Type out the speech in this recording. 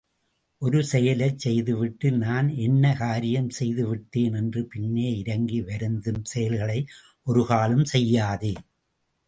ஒரு செயலைச் செய்துவிட்டு, நான் என்ன காரியம் செய்துவிட்டேன் என்று பின்னே இரங்கி வருந்தும் செயல்களை ஒருக்காலும் செய்யாதே.